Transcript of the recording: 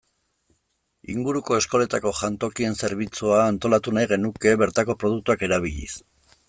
Inguruko eskoletako jantokien zerbitzua antolatu nahi genuke bertako produktuak erabiliz.